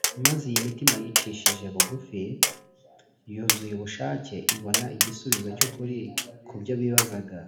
, maze iyi mitima yicishije bugufi, yuzuye ubushake ibona igisubizo cy’ukuri ku byo bibazaga.